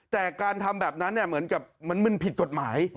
แต่การทำแบบนั้นเหมือนกับมันผิดกฎหมาย